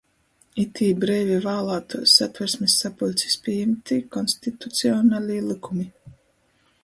Itī breivi vālātuos Satversmis sapuļcis pījimtī konstitucionalī lykumi,